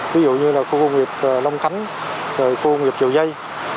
ví dụ như là khu công nghiệp long khánh khu công nghiệp dầu dây